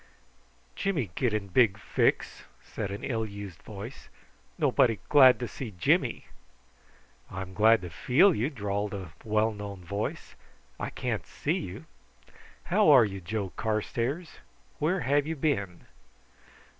"Jimmy get in big fix," said an ill used voice. "Nobody glad to see Jimmy." "I'm glad to feel you," drawled a well known voice. "I can't see you. How are you, Joe Carstairs? Where have you been?"